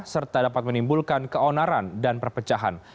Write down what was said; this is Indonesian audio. serta dapat menimbulkan keonaran dan perpecahan